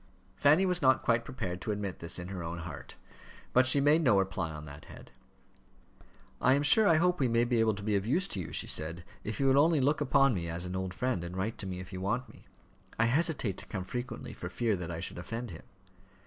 Fanny was not quite prepared to admit this in her own heart, but she made no reply on that head. "I am sure I hope we may be able to be of use to you," she said, "if you will only look upon me as an old friend, and write to me if you want me. I hesitate to come frequently for fear that I should offend him."